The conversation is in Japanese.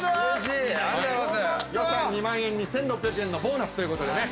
予算２万円に１，６００円のボーナスということでね。